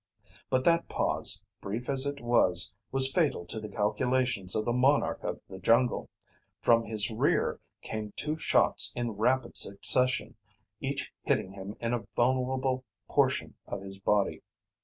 But that pause, brief as it was, was fatal to the calculations of the monarch of the jungle. From his rear came two shots in rapid succession, each hitting him in a vulnerable portion of his body.